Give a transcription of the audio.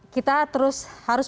kita terus harus